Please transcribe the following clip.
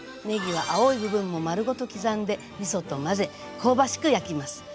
ねぎは青い部分も丸ごと刻んでみそと混ぜ香ばしく焼きます。